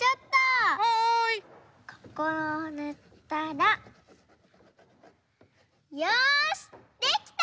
ここをぬったらよしできた！